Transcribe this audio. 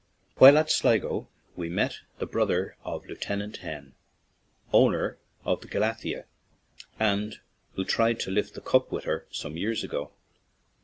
While at Sligo we met the brother of Lieutenant Henn (owner of the Galatea, and who tried to lift the cup with her some years ago).